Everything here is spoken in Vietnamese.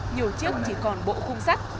nhiều chiếc chỉ còn bộ khung sắt